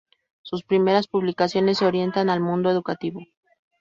Sus primeras publicaciones se orientan al mundo educativo.